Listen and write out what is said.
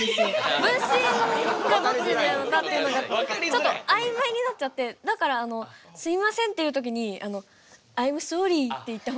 分身がどっちになるのかっていうのがちょっと曖昧になっちゃってだから「すいません」って言う時に「アイムソーリー」って言った方が。